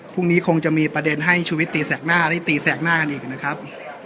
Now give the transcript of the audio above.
พรุ่งนี้คงจะมีประเด็นให้ชุวิตตีแสกหน้าได้ตีแสกหน้ากันอีกนะครับ